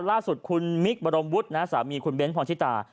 ล่าสุดคุณมิคบรมวุฒินะสามีคุณเบ้นพรชิตา